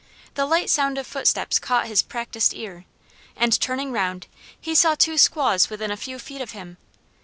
The light sound of footsteps caught his practiced ear, and turning round he saw two squaws within a few feet of him.